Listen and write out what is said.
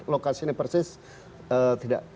lokasi ini persis tidak